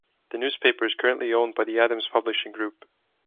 The newspaper is currently owned by the Adams Publishing Group.